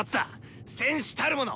戦士たるもの！